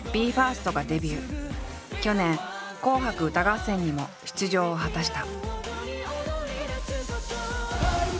去年「紅白歌合戦」にも出場を果たした。